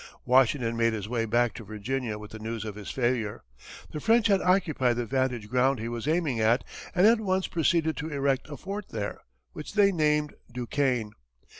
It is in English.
Washington made his way back to Virginia with the news of his failure. The French had occupied the vantage ground he was aiming at and at once proceeded to erect a fort there, which they named Duquesne.